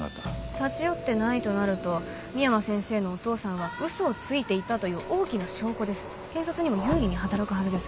立ち寄ってないとなると深山先生のお父さんは嘘をついていたという大きな証拠です検察にも有利に働くはずです